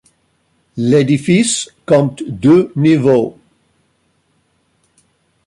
L'édifice compte deux niveaux.